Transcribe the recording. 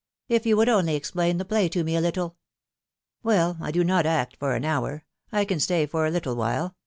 If you would only explain the play to me a little I" ^^Well, I do not act for an hour; I can stay for a little while.